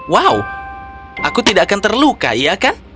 wow aku tidak akan terluka ya